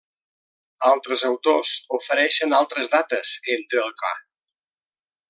Altres autors ofereixen altres dates, entre el ca.